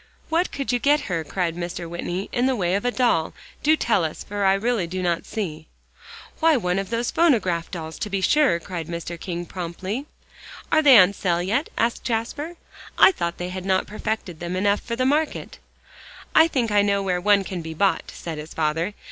"What could you get her," cried Mr. Whitney, "in the way of a doll? Do tell us, for I really do not see." "Why, one of those phonograph dolls, to be sure," cried Mr. King promptly. "Are they on sale yet?" asked Jasper. "I thought they had not perfected them enough for the market." "I think I know where one can be bought," said his father.